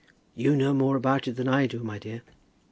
"You know more about it than I do, my dear."